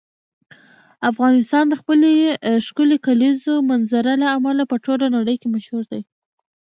افغانستان د خپلې ښکلې کلیزو منظره له امله په ټوله نړۍ کې مشهور دی.